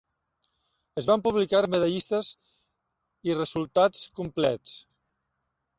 Es van publicar medallistes i resultats complets.